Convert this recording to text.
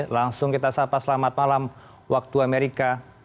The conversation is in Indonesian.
langsung kita sapa selamat malam waktu amerika